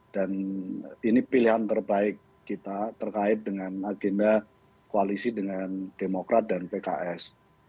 dan ini pilihan terbaik kita terkait dengan agenda koalisi dengan demokrat dan pks